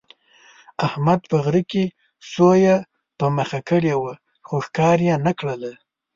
احمد په غره کې سویه په مخه کړې وه، خو ښکار یې نه کړله.